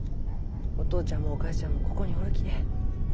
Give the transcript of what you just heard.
お父ちゃんもお母ちゃんもここにおるきね。